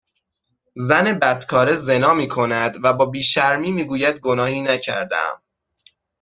زن بدکاره زنا میکند و با بیشرمی میگوید گناهی نکردهام